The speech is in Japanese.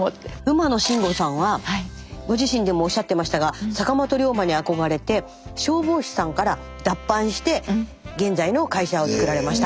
馬野信吾さんはご自身でもおっしゃってましたが坂本龍馬に憧れて消防士さんから脱藩して現在の会社をつくられました。